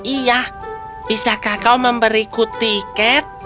iya bisakah kau memberiku tiket